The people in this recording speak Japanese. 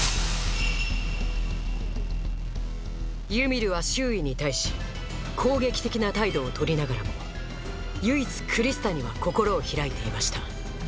ユミルは周囲に対し攻撃的な態度を取りながらも唯一クリスタには心を開いていました